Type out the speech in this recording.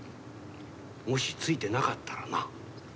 もしついてなかったらな。